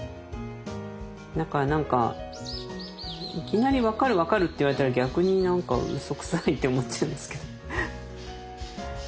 だから何かいきなり「分かる分かる」って言われたら逆に何かうそくさいって思っちゃうんですけど。